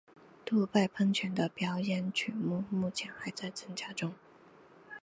杜拜喷泉的表演曲目目前还在增加中。